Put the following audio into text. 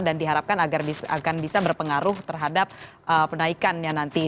dan diharapkan agar bisa berpengaruh terhadap penaikannya nanti